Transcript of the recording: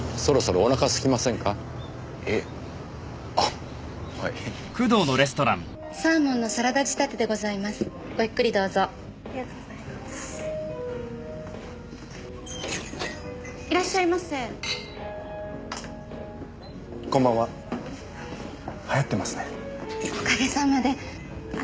おかげさまで。